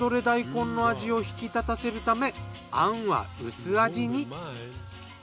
大根の味を引き立たせるためあんは薄味に。